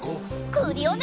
クリオネ！